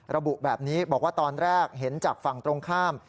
ระบุแบบนี้บอกว่าตอนแรกเห็นจากฝั่งตรงข้าม